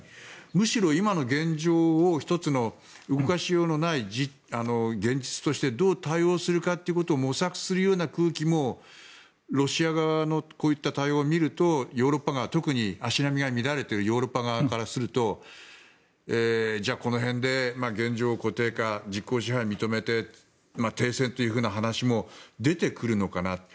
むしろ今の現状を１つの動かしようのない現実としてどう対応するかということを模索するような空気もロシア側のこういった対応を見るとヨーロッパ側は特に足並みが乱れているヨーロッパ側からするとじゃあ、この辺で現状を固定化実効支配を認めて停戦というふうな話も出てくるのかなと。